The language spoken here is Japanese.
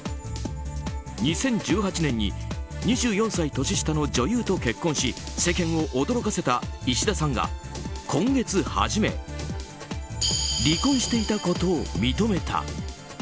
２０１８年に２４歳年下の女優と結婚し世間を驚かせた、いしださんが今月初め、離婚していたことを認めた。